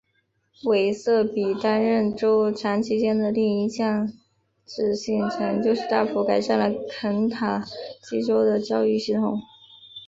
韦瑟比担任州长期间的另一项标志性成就是大幅改善了肯塔基州的教育系统。